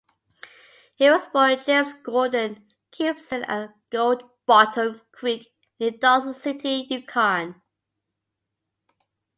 He was born James Gordon Gibson at Gold Bottom Creek near Dawson City, Yukon.